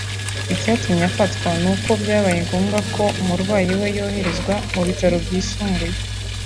Icyatumye afatwa ni uko byabaye ngombwa ko umurwayi we yoherezwa mu bitaro byisumbuye